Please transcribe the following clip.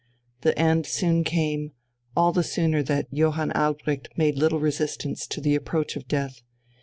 The end soon came, all the sooner that Johann Albrecht made little resistance to the approach of death.